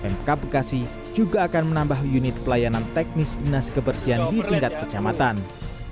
mk bekasi juga akan menambah unit pelayanan teknis dinas kebersihan di tindas lingkungan hidup kabupaten bekasi